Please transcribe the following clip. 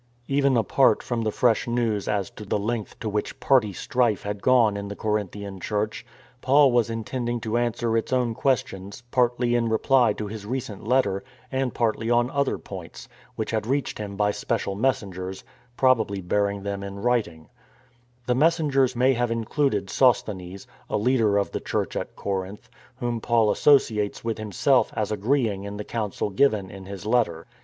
" Even apart from the fresh news as to the length to which party strife had gone in the Corinthian church, Paul was intending to answer its own ques tions, partly in reply to his recent letter and partly on other points, which had reached him by special messen gers, possibly bearing them in writing (see xvi. 17 f.). The messengers may have included Sosthenes, a leader of the church at Corinth, whom Paul asso ciates with himself as agreeing in the counsel given in his letter.